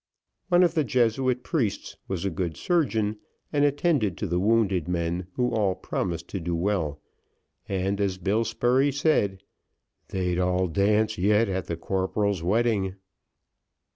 One of the Jesuit priests was a good surgeon, and attended to the wounded men, who all promised to do well, and as Bill Spurey said, "They'd all dance yet at the corporal's wedding."